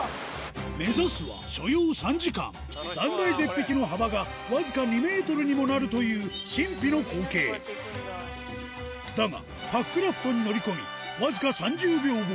目指すは所要３時間断崖絶壁の幅がわずか２ｍにもなるというだがパックラフトに乗り込みわずか３０秒後